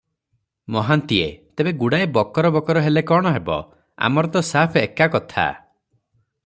ମହାନ୍ତିଏ- ତେବେ ଗୁଡାଏ ବକର ବକର ହେଲେ କଣ ହେବ, ଆମର ତ ସାଫ ଏକା କଥା ।